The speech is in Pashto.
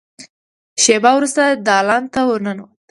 شېبه وروسته دالان ته ور ننوته.